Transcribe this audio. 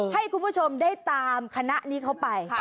ให้คุณผู้ชมได้ตามคณะนี้เขาไป